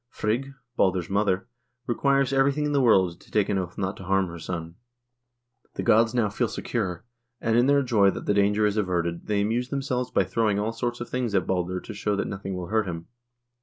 Frigg, Balder's mother, requires everything in the world to take an oath not to harm her son. The gods now feel secure, and in their joy that the danger is averted, they amuse themselves by throwing all sorts of things at Balder to show that nothing will hurt him.